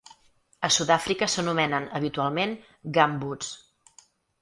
A Sudàfrica s'anomenen habitualment "gumboots".